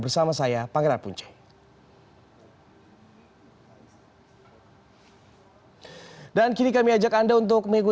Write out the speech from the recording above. sampai jumpa di sampai jumpa